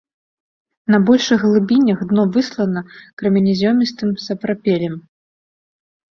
На большых глыбінях дно выслана крэменязёмістым сапрапелем.